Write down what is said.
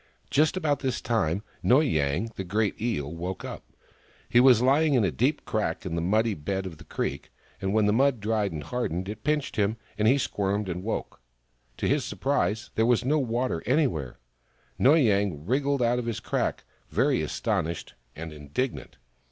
Just about this time, Noy Yang, the great Eel, woke up. He was lying in a deep crack in the muddy bed of the creek, and when the mud dried and hardened it pinched him, and he squirmed and woke. To his surprise, there was no water any where. Noy Yang wriggled out of his crack, very astonished and indignant.